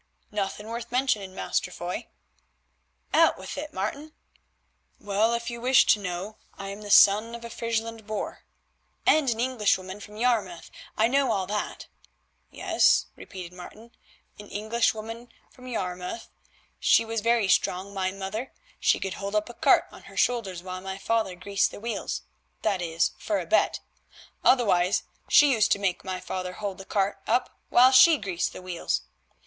"Nothing worth mentioning, Master Foy." "Out with it, Martin." "Well, if you wish to know, I am the son of a Friesland boor." "—And an Englishwoman from Yarmouth: I know all that." "Yes," repeated Martin, "an Englishwoman from Yarmouth. She was very strong, my mother; she could hold up a cart on her shoulders while my father greased the wheels, that is for a bet; otherwise she used to make my father hold the cart up while she greased the wheels.